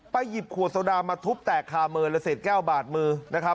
หยิบขวดโซดามาทุบแตกคาเมินแล้วเสร็จแก้วบาดมือนะครับ